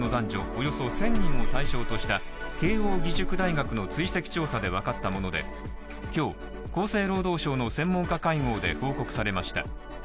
およそ１０００人を対象とした慶應義塾大学の追跡調査でわかったもので、今日厚生労働省の専門家会合で報告されました。